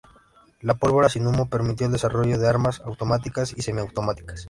La pólvora sin humo permitió el desarrollo de armas automáticas y semiautomáticas.